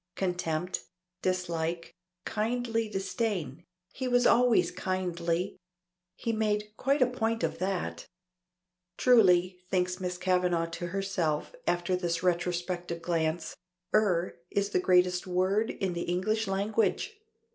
Contempt, dislike, kindly disdain he was always kindly he made quite a point of that. Truly, thinks Miss Kavanagh to herself after this retrospective glance, "er" is the greatest word in the English language!